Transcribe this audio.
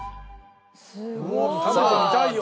すごい！食べてみたいよ！